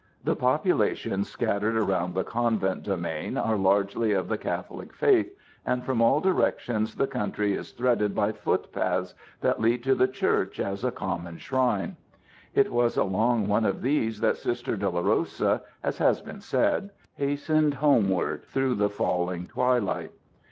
The population scattered around the convent domain are largely of the Catholic faith, and from all directions the country is threaded by foot paths that lead to the church as a common shrine. It was along one of these that Sister Dolorosa, as has been said, hastened homeward through the falling twilight.